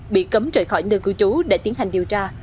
bị cấm rời khỏi nơi cư trú để tiến hành điều tra